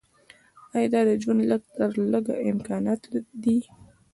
دا د ژوند لږ تر لږه امکانات دي.